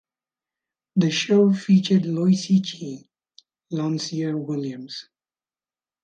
The show featured Lottie Gee, Loncia Williams.